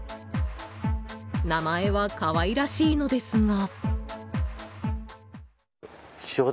名前は可愛らしいのですが。